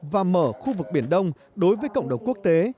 và mở khu vực biển đông đối với cộng đồng quốc tế